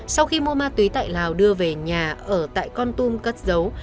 sau khi mua ma tùy tại lào đưa về nhà ở tại con tùm cất dấu